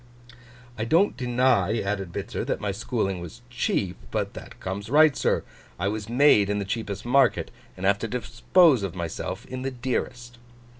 'I don't deny,' added Bitzer, 'that my schooling was cheap. But that comes right, sir. I was made in the cheapest market, and have to dispose of myself in the dearest.